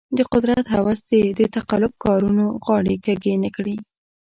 د قدرت هوس دې د تقلب کارانو غاړې کږې نه کړي.